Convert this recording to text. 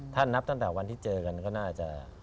ถ้านับตั้งแต่วันที่เจอกันก็น่าจะ